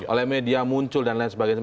oleh media muncul dan lain sebagainya